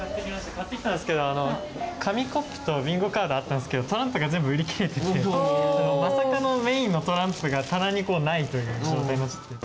買ってきたんですけど紙コップとビンゴカードあったんですけどトランプが全部売り切れててまさかのメインのトランプが棚にないという状態になっちゃって。